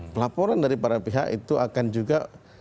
pelaporan dari para pihak itu akan juga